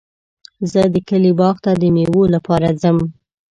زه د کلي باغ ته د مېوو لپاره ځم.